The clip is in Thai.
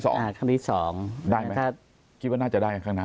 ได้ไหมคิดว่าน่าจะได้ครั้งหน้า